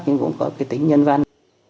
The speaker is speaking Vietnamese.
nhưng cũng có cái tính nhân văn